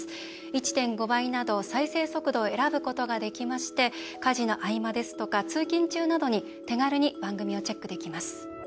１．５倍など再生速度を選ぶことができまして家事の合間ですとか通勤中などに手軽に番組をチェックできます。